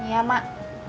buang nafas dulu mak